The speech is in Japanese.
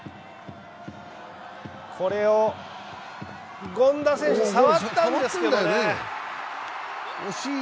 これを権田選手触ったんですけどね。